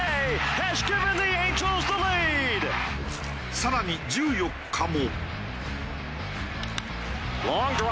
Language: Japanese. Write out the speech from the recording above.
更に１４日も。